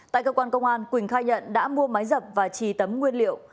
tại cơ quan công an quỳnh khai nhận đã mua máy dập và trì tấm nguyên liệu